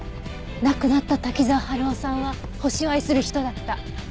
亡くなった滝沢春夫さんは星を愛する人だった。